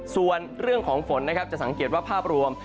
ส่วนเรื่องของฝนนะครับจะสังเกตว่าภาพรวม